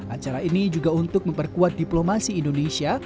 acara ini juga untuk memperkuat diplomasi indonesia